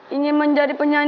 ingin menjadi penyandang